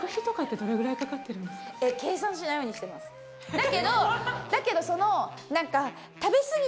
だけどだけどそのなんか。